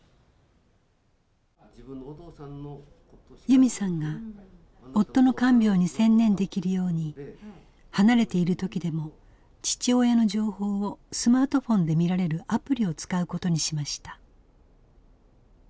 由美さんが夫の看病に専念できるように離れている時でも父親の情報をスマートフォンで見られるアプリを使うことにしました。